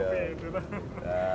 oke itu lah